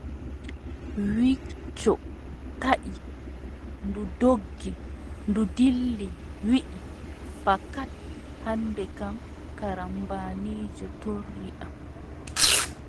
Wicco taʼi, ndu doggi, ndu dilli, wii : fakat hannde kam, karambaani torri am.